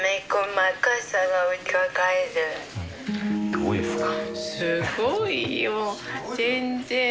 ・どうですか？